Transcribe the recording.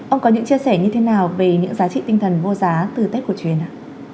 ông có những chia sẻ như thế nào về những giá trị tinh thần vô giá từ tết cổ truyền ạ